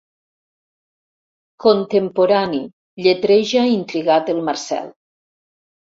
Contemporani, lletreja intrigat el Marcel.